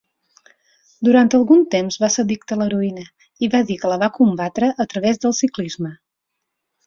Durant algun temps va ser addicte a l'heroïna, i va dir que la va combatre a través del ciclisme.